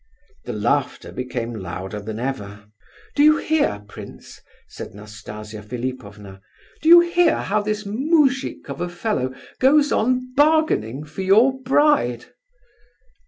The laughter became louder than ever. "Do you hear, prince?" said Nastasia Philipovna. "Do you hear how this moujik of a fellow goes on bargaining for your bride?"